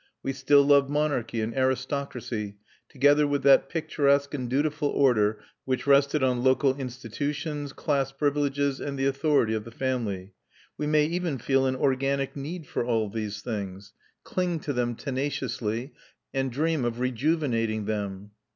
We still love monarchy and aristocracy, together with that picturesque and dutiful order which rested on local institutions, class privileges, and the authority of the family. We may even feel an organic need for all these things, cling to them tenaciously, and dream of rejuvenating them.